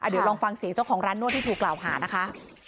เดี๋ยวลองฟังเสียงเจ้าของร้านนวดที่ถูกกล่าวหานะคะ